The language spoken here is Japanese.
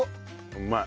うまい。